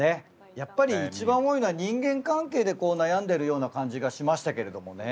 やっぱり一番多いのは人間関係で悩んでるような感じがしましたけれどもね。